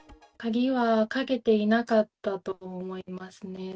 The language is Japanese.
鍵はかけていなかったと思いますね。